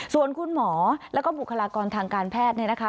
ส่วนคุณหมอแล้วก็บุคลากรทางการแพทย์เนี่ยนะคะ